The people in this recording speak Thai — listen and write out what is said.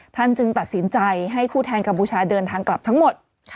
จึงตัดสินใจให้ผู้แทนกัมพูชาเดินทางกลับทั้งหมด